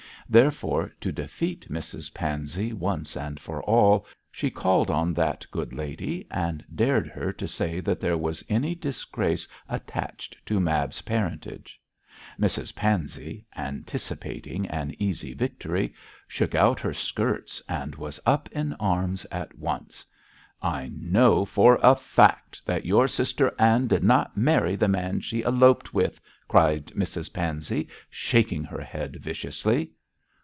Therefore, to defeat Mrs Pansey once and for all, she called on that good lady and dared her to say that there was any disgrace attached to Mab's parentage. Mrs Pansey, anticipating an easy victory, shook out her skirts, and was up in arms at once. 'I know for a fact that your sister Ann did not marry the man she eloped with,' cried Mrs Pansey, shaking her head viciously.